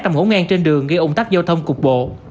trong ngỗ ngang trên đường gây ủng tắc giao thông cục bộ